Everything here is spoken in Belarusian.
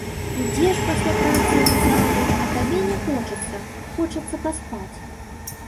Ідзеш пасля працы ў залу, а табе не хочацца, хочацца паспаць.